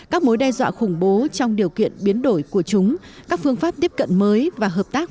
các mối đe dọa khủng bố trong điều kiện biến đổi của chúng các phương pháp tiếp cận mới và hợp tác